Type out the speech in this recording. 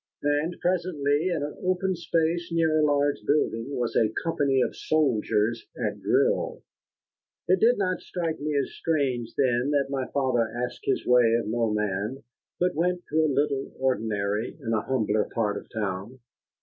And presently, in an open space near a large building, was a company of soldiers at drill. It did not strike me as strange then that my father asked his way of no man, but went to a little ordinary in a humbler part of the town.